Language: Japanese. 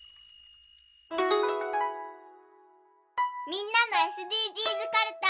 みんなのＳＤＧｓかるた。